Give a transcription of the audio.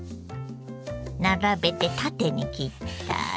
並べて縦に切ったら。